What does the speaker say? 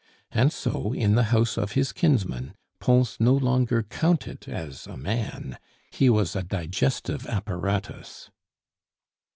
And so, in the house of his kinsman, Pons no longer counted as a man; he was a digestive apparatus.